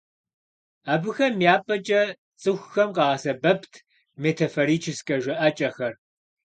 Абыхэм я пӏэкӏэ цӏыхухэм къагъэсэбэпт метафорическэ жыӏэкӏэхэр.